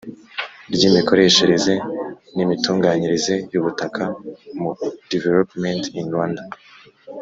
ry imikoreshereze n imitunganyirize y ubutaka mu development in Rwanda